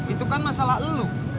itu kan masalah lo